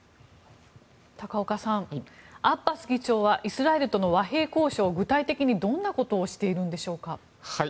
高岡さん、アッバス議長はイスラエルとの和平交渉具体的に、どんなことをしているのでしょうか？